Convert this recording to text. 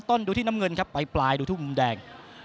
ดูที่น้ำเงินครับไปปลายดูทุกมุมแดง